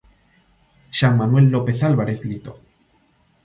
Xan Manuel López Álvarez Lito.